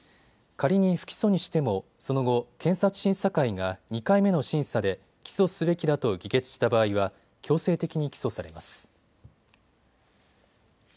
仮に不起訴にしてもその後、検察審査会が２回目の審査で起訴すべきだと議決した場合は強制的に起訴されます。